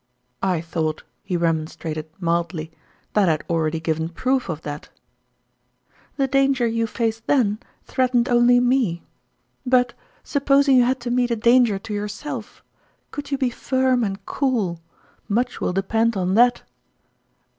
" I thought," he remonstrated mildly, " that I had already given proof of that !"" The danger you faced then threatened only me. But, supposing you had to meet a danger to yourself, could you be firm and cool ? Much will depend on that."